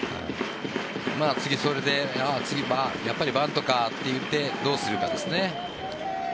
次、それでやっぱりバントかといってどうするかですね。